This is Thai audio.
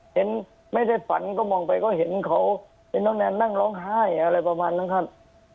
เห็นไม่ได้ฝันก็มองไปก็เห็นเขาเห็นน้องแนนนั่งร้องไห้อะไรประมาณนั้นครับ